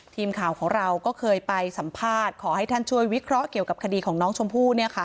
ทีมข่าวของเราก็เคยไปสัมภาษณ์ขอให้ท่านช่วยวิเคราะห์เกี่ยวกับคดีของน้องชมพู่เนี่ยค่ะ